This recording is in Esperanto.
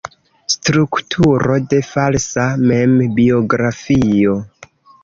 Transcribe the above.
Strukturo de falsa membiografio.